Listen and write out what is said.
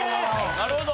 なるほど。